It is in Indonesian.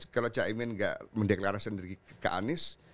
kalau cak imin gak mendeklarasikan sendiri ke anies